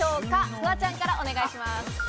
フワちゃんからお願いします。